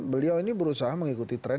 beliau ini berusaha mengikuti tren